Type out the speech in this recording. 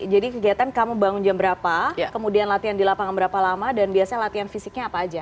jadi kegiatan kamu bangun jam berapa kemudian latihan di lapangan berapa lama dan biasanya latihan fisiknya apa aja